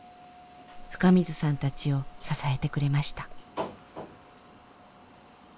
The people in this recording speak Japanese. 深水さんたちを支えてくれました。